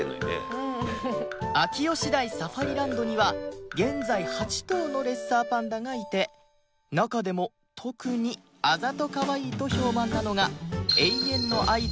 秋吉台サファリランドには現在８頭のレッサーパンダがいて中でも特にあざとかわいいと評判なのが